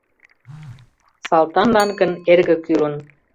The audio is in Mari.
Салтанлан гын эрге кӱлын